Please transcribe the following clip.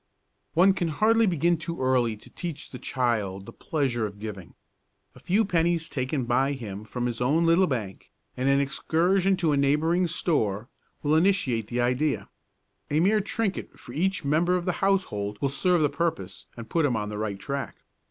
One can hardly begin too early to teach the child the pleasure of giving. A few pennies taken by him from his own little bank, and an excursion to a neighbouring store, will initiate the idea. A mere trinket for each member of the household will serve the purpose and put him on the right track.